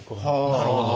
なるほど。